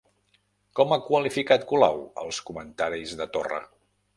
Com ha qualificat Colau els comentaris de Torra?